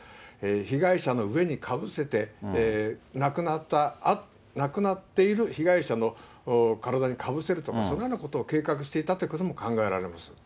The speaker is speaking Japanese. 被害者の上にかぶせて、亡くなっている被害者の体にかぶせるとか、そのようなことを計画していたということも考えられます。